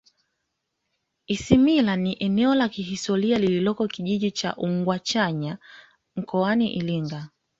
isimila ni eneo la kihistoria lililo kijiji cha ugwachanya mkoani iringa